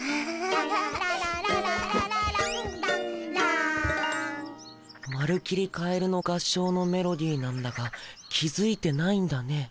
ララララララララランランラーンまるきり「かえるの合唱」のメロディーなんだが気付いてないんだね。